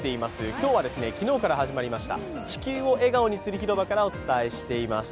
今日は昨日から始まりました地球を笑顔にする広場からお伝えします。